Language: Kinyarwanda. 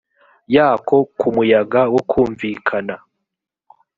yako ku muyaga wokumvikana